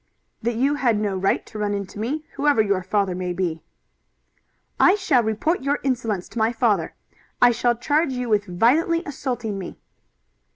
"That you had no right to run into me, whoever your father may be." "I shall report your insolence to my father. I shall charge you with violently assaulting me."